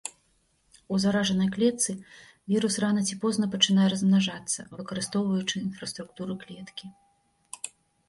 У заражанай клетцы вірус рана ці позна пачынае размнажацца, выкарыстоўваючы інфраструктуру клеткі.